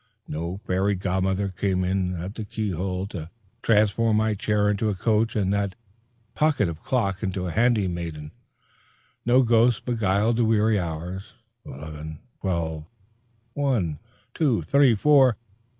No fairy godmother came in at the key hole to transform my chair into a couch and that talkative clock into a handmaiden. No ghosts beguiled the weary hours. Eleven, twelve, one, two, three, four!